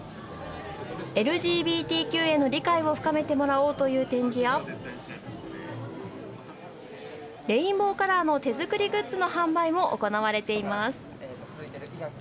ＬＧＢＴＱへの理解を深めてもらおうという展示やレインボーカラーの手作りグッズの販売も行われています。